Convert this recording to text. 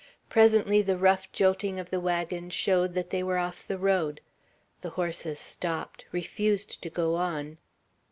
Presently the rough jolting of the wagon showed that they were off the road. The horses stopped; refused to go on.